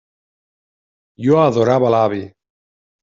Jo adorava l'avi.